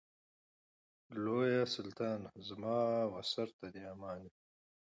لوی سلطانه زما و سر ته دي امان وي